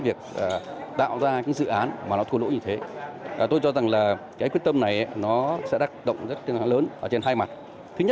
và có cả những dự án thua lỗ nặng nề ngay trong quá trình xây dựng buộc phải đóng cửa